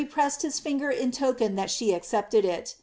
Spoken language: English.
715 pressed his finger in token that she accepted it.